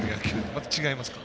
また違いますか？